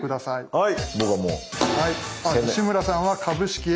はい。